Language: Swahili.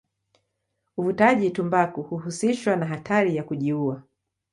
Uvutaji tumbaku huhusishwa na hatari ya kujiua.